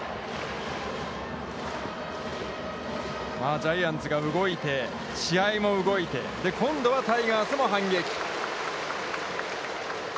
ジャイアンツが動いて、試合も動いて、今度はタイガースも反撃。